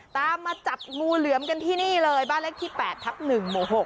ตามมาจับงูเหลือมกันที่นี่เลยบ้านเลขที่๘ทับ๑หมู่๖